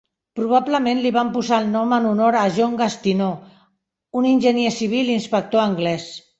Probablement li van posar el nom en honor a John Gastineau, un enginyer civil i inspector anglès.